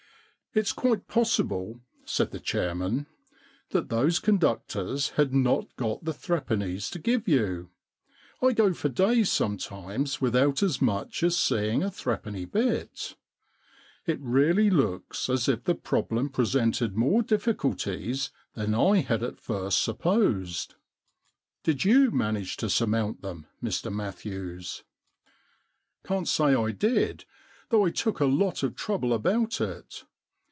It's quite possible,' said the chairman, * that those conductors had not got the three pennies to give you. I go for days sometimes without as much as seeing a threepenny bit. It really looks as if the problem presented 190 The Threepenny Problem more difficulties than I had at first supposed. Did you manage to surmount them, Mr Matthews ?'* Can't say I did, though I took a lot of trouble about it.